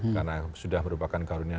karena sudah merupakan karunia